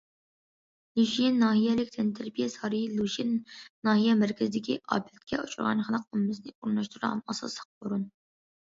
لۇشيەن ناھىيەلىك تەنتەربىيە سارىيى لۇشيەن ناھىيە مەركىزىدىكى ئاپەتكە ئۇچرىغان خەلق ئاممىسىنى ئورۇنلاشتۇرىدىغان ئاساسلىق ئورۇن.